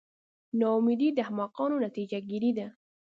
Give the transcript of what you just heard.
نا امیدي د احمقانو نتیجه ګیري ده.